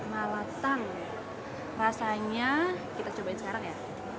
malasan rasanya kita cobain sekarang ya